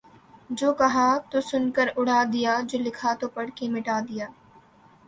جو کہا تو سن کے اڑا دیا جو لکھا تو پڑھ کے مٹا دیا